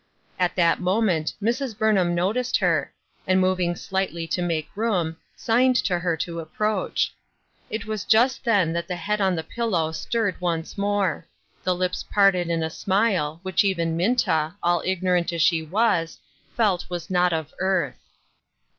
At that moment Mrs. Burnham noticed her, and moving slightly to make room, signed to her to approach. It was just then that the head on the pillow stirred once more; the lips parted in a smile, which even Minta, all ignorant as she was, felt was not of earth.